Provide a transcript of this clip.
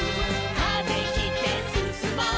「風切ってすすもう」